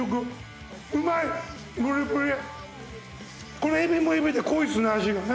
このエビもエビで濃いですね味がね。